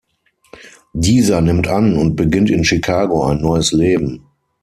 Dieser nimmt an und beginnt in Chicago ein neues Leben.